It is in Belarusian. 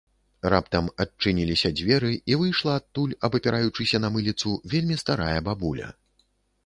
Раптам адчыніліся дзверы, і выйшла адтуль, абапіраючыся на мыліцу, вельмі старая бабуля